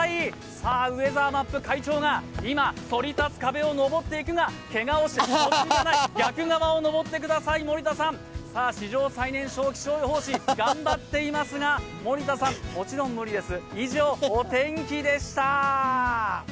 さあ、ウェザーマップ会長が今、そり立つ壁をのぼっていくがけがをしないでください、逆側をのぼってください史上最年少気象予報士頑張っていますが森田さん、もちろん無理です！